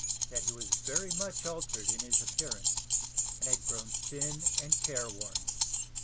That he was very much altered in his appearance, and had grown thin and care worn.